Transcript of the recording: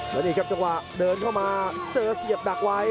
แล้วนี่ครับจังหวะเดินเข้ามาเจอเสียบดักไว้